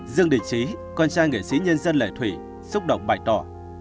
dương định trí con trai nghệ sĩ nhân dân lễ thủy xúc động bày tỏ